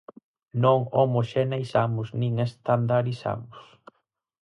Non homoxeneizamos nin estandarizamos.